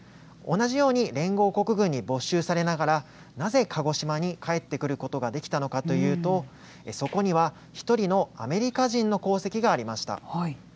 同じように連合国軍に没収されながら、なぜ鹿児島に帰ってくることができたのかというと、そこには１人のアメリカ人の功績がありました。